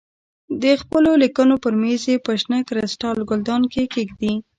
د خپلو لیکلو پر مېز یې په شنه کریسټال ګلدان کې کېږدې.